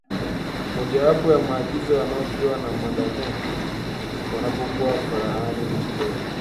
mojawapo ya maagizo wanayopewa na 'madame' wanapokuwa faraghani na mteja